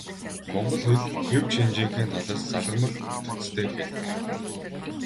Монгол хэл хэв шинжийнхээ талаас залгамал бүтэцтэй хэл.